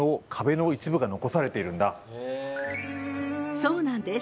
そうなんです。